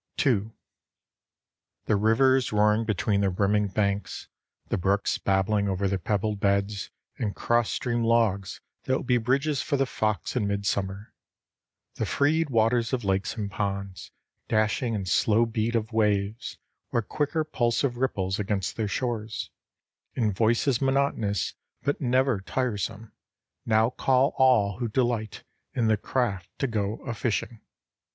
II The rivers roaring between their brimming banks; the brooks babbling over their pebbled beds and cross stream logs that will be bridges for the fox in midsummer; the freed waters of lakes and ponds, dashing in slow beat of waves or quicker pulse of ripples against their shores, in voices monotonous but never tiresome, now call all who delight in the craft to go a fishing.